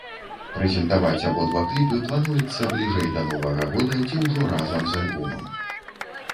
Прэзентаваць абодва кліпы плануецца бліжэй да новага года ці ўжо разам з альбомам.